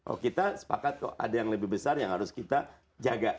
oh kita sepakat kok ada yang lebih besar yang harus kita jaga